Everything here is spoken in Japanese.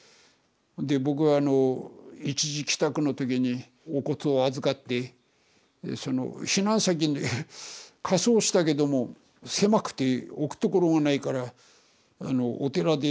で僕は一時帰宅の時にお骨を預かって避難先に火葬したけども狭くて置くところがないからお寺で本堂に納めてくんねえかって。